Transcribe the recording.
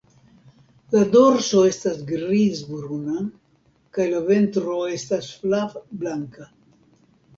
La dorso estas griz-bruna, kaj la ventro estas flav-blanka.